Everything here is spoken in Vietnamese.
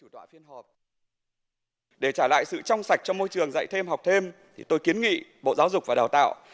để trả lại sự trong sạch cho môi trường dạy thêm học thêm thì tôi kiến nghị bộ giáo dục và đào tạo